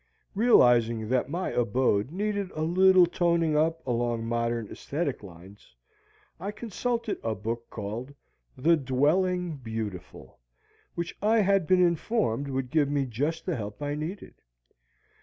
Realizing that my abode needed a little toning up along modern æsthetic lines, I consulted a book called "The Dwelling Beautiful," which I had been informed would give me just the help I needed.